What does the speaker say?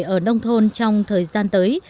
ở nông thôn trong thời gian tới